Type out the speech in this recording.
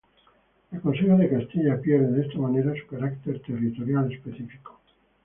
El Consejo de Castilla pierde, de esta manera, su carácter territorial específico.